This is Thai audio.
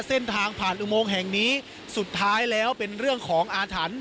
เส้นทางผ่านอุโมงแห่งนี้สุดท้ายแล้วเป็นเรื่องของอาถรรพ์